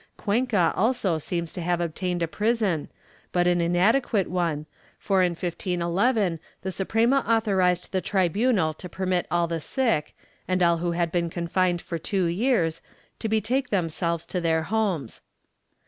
Cuenca also seems to have obtained a prison, but an inadequate one, for in 1511 the Suprema authorized the tribunal to permit all the sick, and all who had been confined for two years, to betake themselves to their homes.